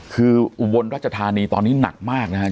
คืออุบลรัชธานีตอนนี้หนักมากนะครับ